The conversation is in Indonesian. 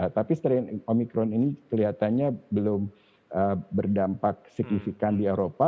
tapi strain omikron ini kelihatannya belum berdampak signifikan di eropa